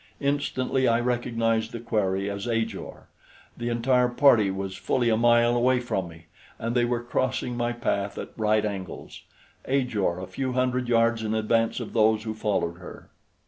Instantly I recognized the quarry as Ajor. The entire party was fully a mile away from me, and they were crossing my path at right angles, Ajor a few hundred yards in advance of those who followed her.